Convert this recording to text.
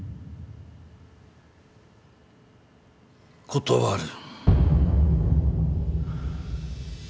断る。